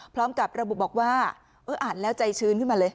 พร้อมกับระบุบอกว่าเอออ่านแล้วใจชื้นขึ้นมาเลย